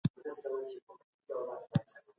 د اوبو څښل د وجود انرژي ده.